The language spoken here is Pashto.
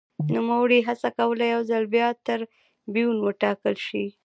نوموړي هڅه کوله یو ځل بیا ټربیون وټاکل شي